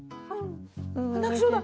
泣きそうだ！